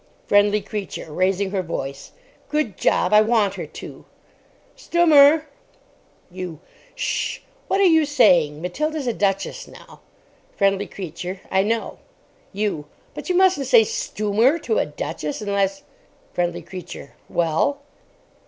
FRIENDLY CREATURE (raising her voice). Good job. I want her to. Stumer! YOU. S s s sh! What are you saying? Matilda's a duchess now. FRIENDLY CREATURE. I know. YOU. But you mustn't say "Stumer" to a duchess unless—— FRIENDLY CREATURE. Well?